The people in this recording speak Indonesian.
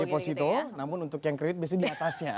deposito namun untuk yang kredit biasanya di atasnya